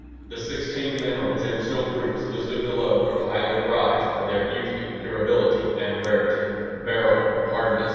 The 16 mineral gemstone groups listed below are highly prized for their beauty, durability, and rarity: Beryl (hardness: 7.